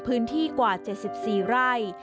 พื้นที่กว่า๗๔ไร่